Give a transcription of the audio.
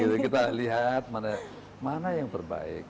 nah gitu kita lihat mana yang berbaik mana betul betul komandan berbaik